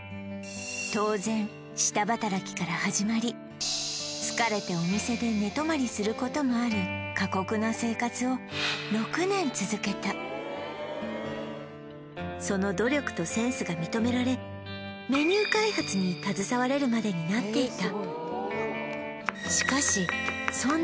当然下働きから始まり疲れてお店で寝泊まりすることもある過酷な生活をその努力とセンスが認められメニュー開発に携われるまでになっていた